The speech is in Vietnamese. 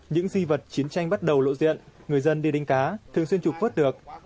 những di vật chiến tranh bắt đầu lộ diện người dân đi đinh cá thường xuyên chụp vớt được